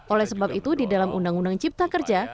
oleh sebab itu di dalam undang undang cipta kerja